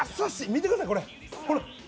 見てください、ほら。